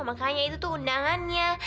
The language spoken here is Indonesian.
makanya itu tuh undangannya